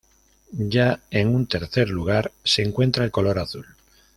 Ya en un tercer lugar se encuentra el color Azul.